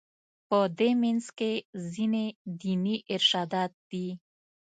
په دې منځ کې ځینې دیني ارشادات دي.